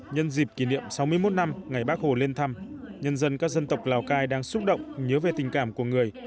nhân dịp kỷ niệm sáu mươi một năm ngày bác hồ lên thăm nhân dân các dân tộc lào cai đang xúc động nhớ về tình cảm của người